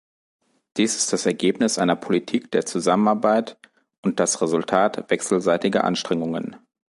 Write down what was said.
Dies ist das Ergebnis einer Politik der Zusammenarbeit und das Resultat wechselseitiger Anstrengungen.